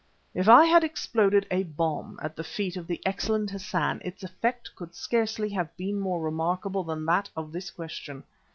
If I had exploded a bomb at the feet of the excellent Hassan its effect could scarcely have been more remarkable than that of this question.